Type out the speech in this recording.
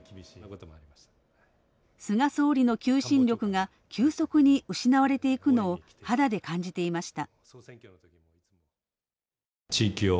菅総理の求心力が急速に失われていくのを肌で感じていました。